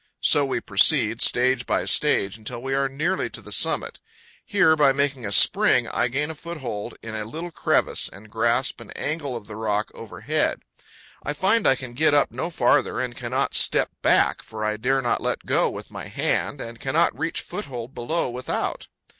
So we proceed, stage by stage, until we are nearly to the summit. Here, by making a spring, I gain a foothold in a little crevice, and grasp an angle of the rock overhead. I find I can get up no farther and cannot step back, for I dare not let go with my hand and cannot reach foothold below without.